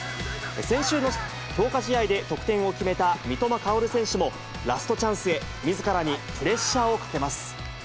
先週の強化試合で得点を決めた三笘薫選手もラストチャンスヘ、みずからにプレッシャーをかけます。